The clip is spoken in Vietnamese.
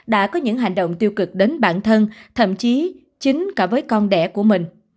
đã có những hành động tiêu cực đến bản thân thậm chí chính cả với con đẻ của mình